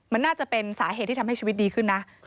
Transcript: มันน่าจะเป็นสาเหตุที่ทำให้ชีวิตดีขึ้นนะ